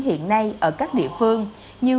hiện nay ở các địa phương như